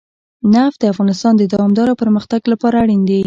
نفت د افغانستان د دوامداره پرمختګ لپاره اړین دي.